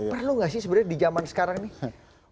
perlu gak sih sebenarnya di jaman sekarang nih